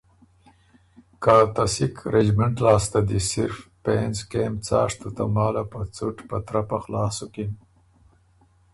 که ته سکھ رجمنټه لاسته دی صرف پېنځ کېم څاشتُو تماله په څُټ په ترپه خلاص سُکِن